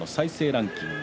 ランキング